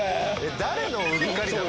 誰のうっかりなの？